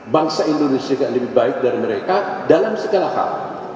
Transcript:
bangsa indonesia lebih baik dari mereka dalam segala hal